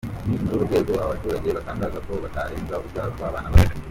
Ni muri uru rwego aba baturage batangaza ko batarenza urubyaro rwabana babiri.